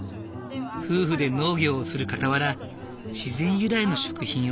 夫婦で農業をするかたわら自然由来の食品を出品している。